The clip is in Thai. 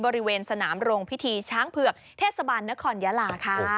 บริเวณสนามโรงพิธีช้างเผือกเทศบาลนครยาลาค่ะ